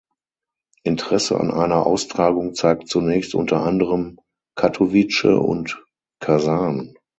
Interesse an einer Austragung zeigten zunächst unter anderem Katowice und Kasan.